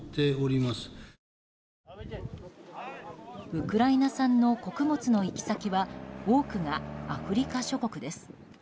ウクライナ産の穀物の行き先は多くがアフリカ諸国です。